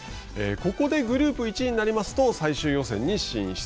ここでグループ１位になりますと最終予選に進出。